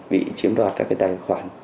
vì chiếm đoạt các tài khoản